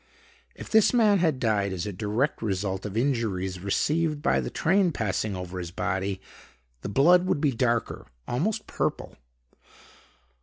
If this man had died as a direct result of injuries received by the train passing over his body, the blood would be darker, almost purple.